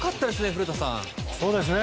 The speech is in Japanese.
古田さん。